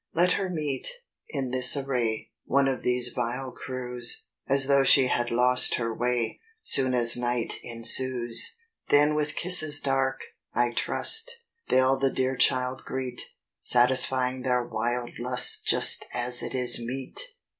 "Let her meet, in this array, One of these vile crews, As though she had lost her way, Soon as night ensues. "Then with kisses dark, I trust, They'll the dear child greet, Satisfying their wild lust Just as it is meet!"